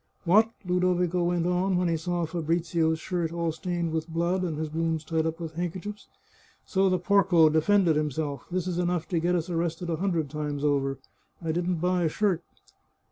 What !" Ludovico went on, when he saw Fabrizio's shirt all stained with blood and his wounds tied up with handkerchiefs ;" so the porco defended himself ! This is enough to get us arrested a hundred times over. I didn't buy a shirt."